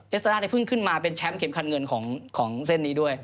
แอสตาด้าได้เพิ่งขึ้นมาเป็นแชมป์เข็มคันเงินของเซ่นนี้ด้วย